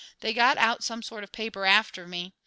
They got out some sort of paper after me.